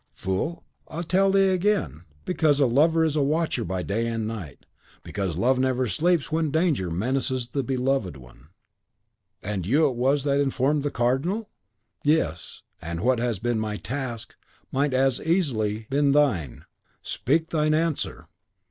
"Fool! I tell thee again, because a lover is a watcher by night and day; because love never sleeps when danger menaces the beloved one!" "And you it was that informed the Cardinal ?" "Yes; and what has been my task might as easily have been thine. Speak, thine answer!"